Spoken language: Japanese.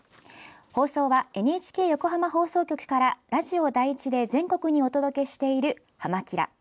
放送はＮＨＫ横浜放送局からラジオ第１で全国にお届けしている「はま☆キラ！」